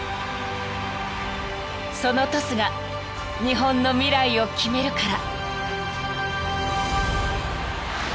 ［そのトスが日本の未来を決めるから］